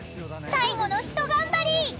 最後のひと頑張り！］